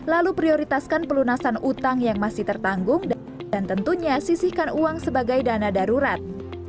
lalu prioritaskan pelunasan utang yang masih tertanggung dan tentunya sisihkan uang sebagai dana darurat